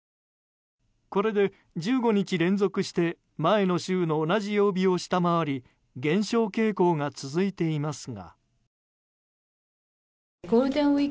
これで１５日連続して前の週の同じ曜日を下回り減少傾向が続いていますが。